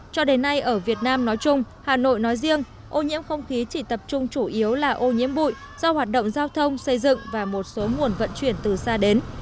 cho đến nay ở việt nam nói chung hà nội nói riêng ô nhiễm không khí chỉ tập trung chủ yếu là ô nhiễm bụi do hoạt động giao thông xây dựng và một số nguồn vận chuyển từ xa đến